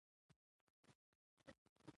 مېوې د افغانستان په اوږده تاریخ کې ذکر شوی دی.